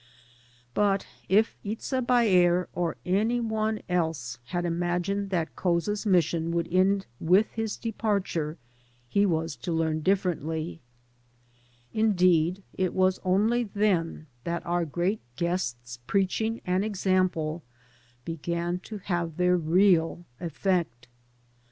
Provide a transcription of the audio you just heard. But if Itza Baer or any one else had imagined that Couza's mission would end with his departure, he was 3 . 23 T' AN AMERICAN IN THE MAKING to leam differently. Indeed, it was only then that our great guest's preaching and example began to have their real effect.